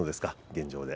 現状で。